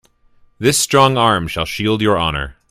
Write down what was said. This strong arm shall shield your honor.